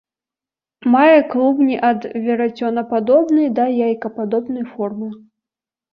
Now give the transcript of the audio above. Мае клубні ад верацёнападобнай да яйкападобнай формы.